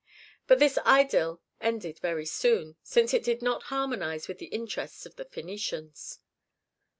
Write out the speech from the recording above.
But this idyll ended very soon, since it did not harmonize with the interests of the Phœnicians.